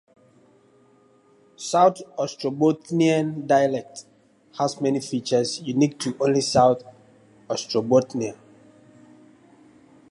South Ostrobothnian dialect has many features unique to only South Ostrobothnia.